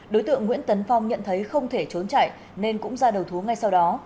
đối tượng nguyễn tấn phong nhận thấy không thể trốn chạy nên cũng ra đầu thú ngay sau đó